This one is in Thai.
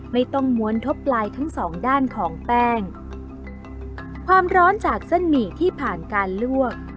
ม้วนทบลายทั้งสองด้านของแป้งความร้อนจากเส้นหมี่ที่ผ่านการลวก